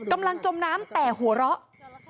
กำลังจมน้ำแต่หัวเราะ